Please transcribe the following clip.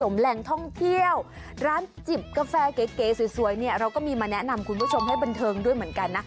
แหล่งท่องเที่ยวร้านจิบกาแฟเก๋สวยเนี่ยเราก็มีมาแนะนำคุณผู้ชมให้บันเทิงด้วยเหมือนกันนะ